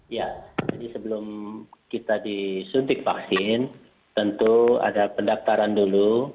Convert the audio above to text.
ya jadi sebelum kita disuntik vaksin tentu ada pendaftaran dulu